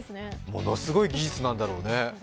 ものすごい技術なんだろうね。